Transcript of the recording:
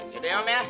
yaudah ya om ya